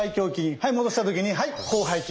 はい戻した時に広背筋。